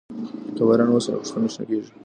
که باران وسي، نو کښتونه شنه کيږي.